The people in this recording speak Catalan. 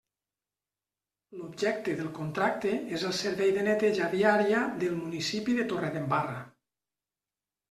L'objecte del contracte és el servei de neteja viària del municipi de Torredembarra.